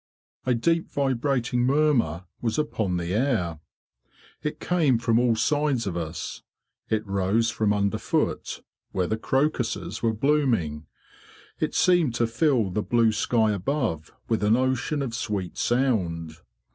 A deep vibrating murmur was upon the air. It came from all sides of us; it rose from under foot, where the crocuses were blooming; it seemed to fill the blue sky above with an ocean of sweet sound.